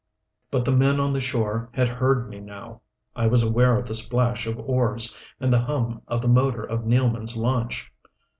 But the men on the shore had heard me now I was aware of the splash of oars and the hum of the motor of Nealman's launch.